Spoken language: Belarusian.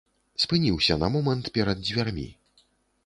Спыніўся на момант перад дзвярмі.